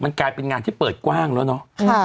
กลายเป็นงานที่เปิดกว้างแล้วเนาะ